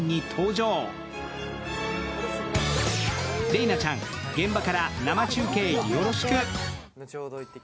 麗菜ちゃん、現場から生中継、よろしく！